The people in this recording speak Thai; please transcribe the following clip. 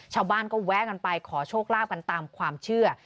ชาวบ้านก็แวะกันไปขอโชคลาภกันตามความเชื่อ